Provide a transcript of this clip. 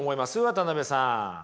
渡辺さん。